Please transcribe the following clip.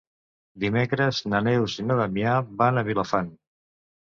Dimecres na Neus i na Damià van a Vilafant.